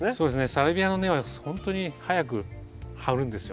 サルビアの根はほんとに早く張るんですよ。